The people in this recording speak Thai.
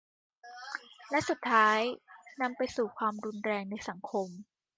และสุดท้ายนำไปสู่ความรุนแรงในสังคม